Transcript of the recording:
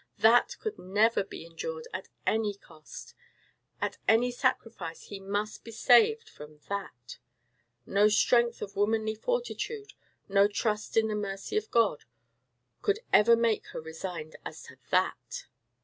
that could never be endured at any cost; at any sacrifice he must be saved from that. No strength of womanly fortitude, no trust in the mercy of God, could even make her resigned as to that.